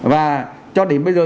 và cho đến bây giờ